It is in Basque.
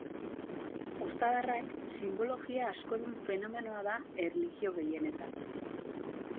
Ostadarrak sinbologia askodun fenomenoa da erlijio gehienetan.